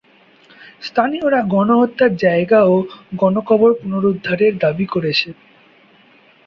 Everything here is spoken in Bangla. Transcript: স্থানীয়রা গণহত্যার জায়গা ও গণকবর পুনরুদ্ধারের দাবি করেছে।